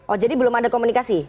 oh jadi belum ada komunikasi